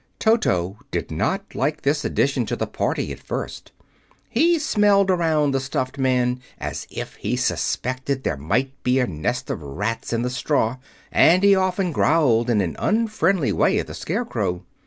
Toto did not like this addition to the party at first. He smelled around the stuffed man as if he suspected there might be a nest of rats in the straw, and he often growled in an unfriendly way at the Scarecrow.